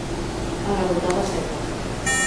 A garrotada seca.